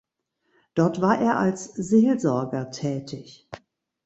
Dort war er als Seelsorger tätig.